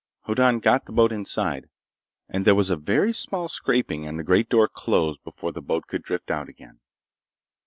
Hoddan got the boat inside, and there was a very small scraping and the great door closed before the boat could drift out again.